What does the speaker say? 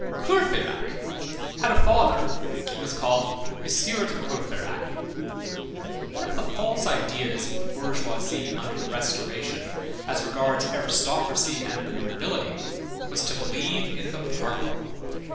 Courfeyrac had a father who was called M. de Courfeyrac. One of the false ideas of the bourgeoisie under the Restoration as regards aristocracy and the nobility was to believe in the particle.